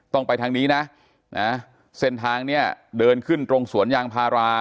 ต้องไปทางนี้นะเส้นทางเนี่ยเดินขึ้นตรงสวนยางพารา